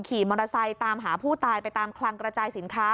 ขี่มอเตอร์ไซค์ตามหาผู้ตายไปตามคลังกระจายสินค้า